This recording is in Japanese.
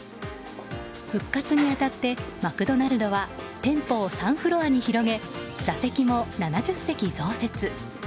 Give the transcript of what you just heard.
復活に当たって、マクドナルドは店舗を３フロアに広げ座席も７０席増設。